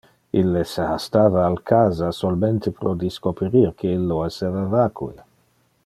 Ille se hastava al casa solmente pro discoperir que illo esseva vacue.